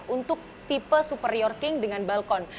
untuk tipe superiorking dengan balkon